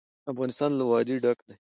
افغانستان له وادي ډک دی.